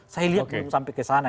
saya lihat belum sampai kesana